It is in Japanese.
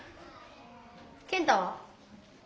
健太は？